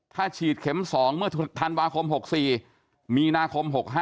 ถ้าฉีดเข็ม๒เมื่อธันวาคม๖๔มีนาคม๖๕